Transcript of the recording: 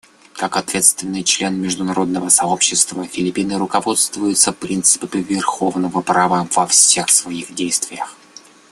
Как ответственный член международного сообщества Филиппины руководствуются принципами верховенства права во всех своих действиях.